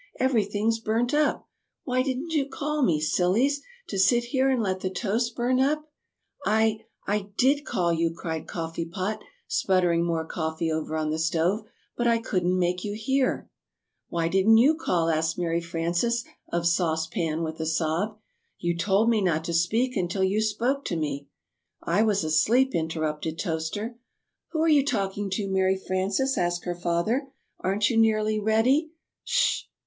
"Everything's burnt up! Why, didn't you call me, Sillies? To sit here and let the toast burn up!" [Illustration: "Why didn't you call me, Sillies?"] "I I did call you," cried Coffee Pot, sputtering more coffee over on the stove, "but I couldn't make you hear." [Illustration: "I I did call you."] "Why didn't you call?" asked Mary Frances of Sauce Pan with a sob. "You told me not to speak until you spoke to me " "I was asleep," interrupted Toaster. "Who are you talking to, Mary Frances?" asked her father. "Aren't you nearly ready?"